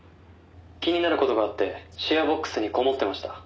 「気になる事があってシェアボックスにこもってました」